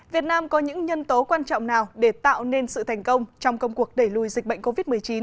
việt nam có những nhân tố quan trọng nào để tạo nên sự thành công trong công cuộc đẩy lùi dịch bệnh covid một mươi chín